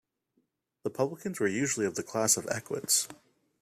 The publicans were usually of the class of equites.